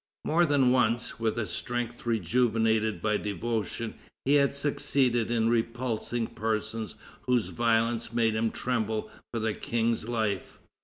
More than once, with a strength rejuvenated by devotion, he had succeeded in repulsing persons whose violence made him tremble for the King's life.